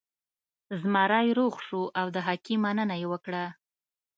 زمری روغ شو او د حکیم مننه یې وکړه.